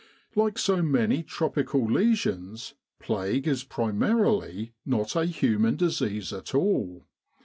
Like so many tropical lesions, plague is primarily not a human disease at all.